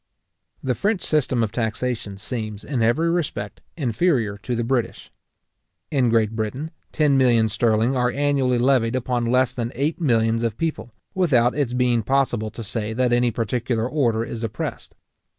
The French system of taxation seems, in every respect, inferior to the British. In Great Britain, ten millions sterling are annually levied upon less than eight millions of people, without its being possible to say that any particular order is oppressed.